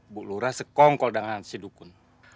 bu lura sekongkol dengan si dukun